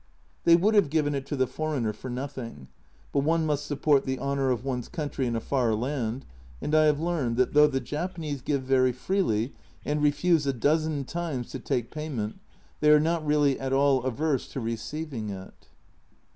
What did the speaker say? They would have given it to the foreigner for nothing but one must support the honour of one's country in a far land, and I have learned that though the Japanese give very freely and refuse a dozen times to take payment, they are not really at all averse to receiving it.